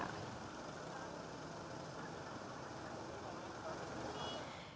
jokowi mengatakan bahwa penyelamatnya akan berjalan ke istana kepresidenan dalam open house